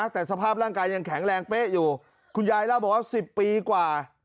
แต่สภาพร่างกายยังแข็งแรงเป๊ะอยู่คุณยายเล่าบอกว่า๑๐ปีกว่า